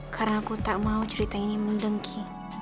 karena aku tak mau cerita ini mendengki